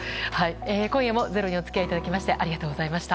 今夜も「ｚｅｒｏ」にお付き合いいただきましてありがとうございました。